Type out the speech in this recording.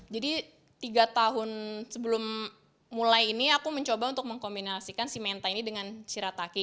jadi tiga tahun sebelum mulai ini aku mencoba untuk mengkombinasikan si mentai ini dengan sirataki